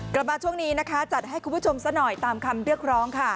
กลับมาช่วงนี้นะคะจัดให้คุณผู้ชมซะหน่อยตามคำเรียกร้องค่ะ